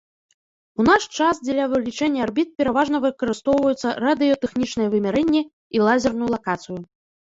У наш час дзеля вылічэння арбіт пераважна выкарыстоўваюцца радыётэхнічныя вымярэнні і лазерную лакацыю.